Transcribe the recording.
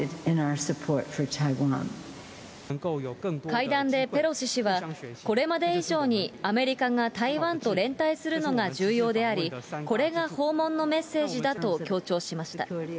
会談でペロシ氏は、これまで以上にアメリカが台湾と連帯するのが重要であり、これが訪問のメッセージだと強調しました。